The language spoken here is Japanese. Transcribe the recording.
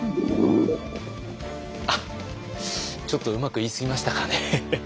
あっちょっとうまく言いすぎましたかね。